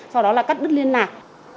sau đó là cắt đứt liên lạc